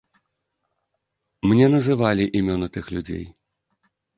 Мне называлі імёны тых людзей.